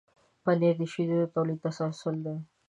پنېر د شیدو د تولید تسلسل دی.